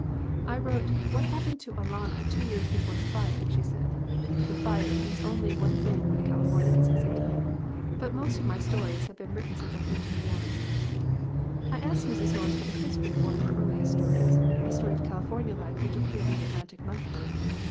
"I wrote What Happened to Alanna two years before the Fire," she said. ("The Fire" means only one thing when a Calif ornian says it.) "But 22 THE JOYS OF THE POOR most of my stories have been written since I came to New York." I asked Mrs. Norris for the history of one of her earliest stories, a story of California life which appeared in the Atlantic Monthly.